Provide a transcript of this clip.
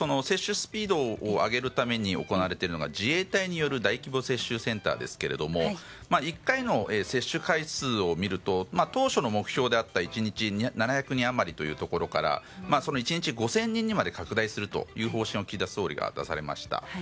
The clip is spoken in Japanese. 接種スピードを上げるために行われているのが自衛隊による大規模接種センターですが１回の接種回数を見ると当初の目標だった１日２００人余りから１日５０００人にまで拡大する方針を岸田総理が出されました。